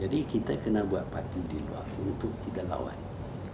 jadi kita harus membuat partai di luar untuk kita lawan